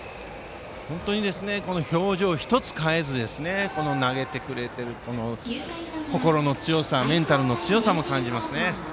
表情１つ変えず投げてくれている心の強さメンタルの強さも感じます。